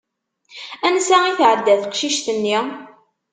Ansa i tɛedda teqcicit-nni?